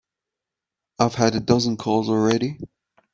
I've had a dozen calls already.